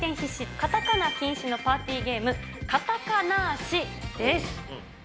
カタカナ禁止のパーティーゲーム、カタカナーシです。